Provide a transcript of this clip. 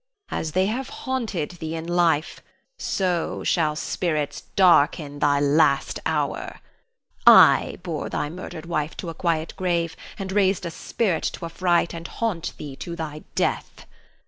As they have haunted thee in life, so shall spirits darken thy last hour. I bore thy murdered wife to a quiet grave, and raised a spirit to affright and haunt thee to thy death.